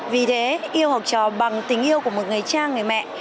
vì thế yêu học trò bằng tình yêu của một người cha người mẹ